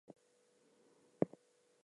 The cloth was dyed with a red dye.